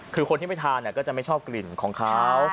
คือคนที่ไปทานก็จะไม่ชอบกลิ่นของเขา